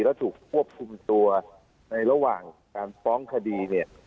แล้วถูกควบคุมตัวในระหว่างการฟ้องคดีเนี่ย